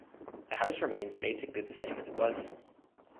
The house remains basically the same as it was.